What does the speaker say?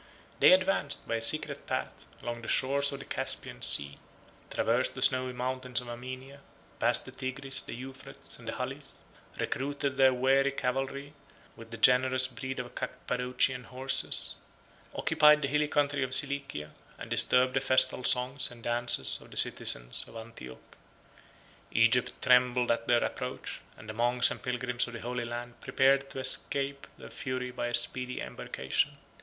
16 They advanced, by a secret path, along the shores of the Caspian Sea; traversed the snowy mountains of Armenia; passed the Tigris, the Euphrates, and the Halys; recruited their weary cavalry with the generous breed of Cappadocian horses; occupied the hilly country of Cilicia, and disturbed the festal songs and dances of the citizens of Antioch. Egypt trembled at their approach; and the monks and pilgrims of the Holy Land prepared to escape their fury by a speedy embarkation.